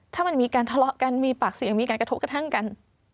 ถ้ามันมีการทะเลาะกันมีปากเสียงมีการกระทบกระทั่งกัน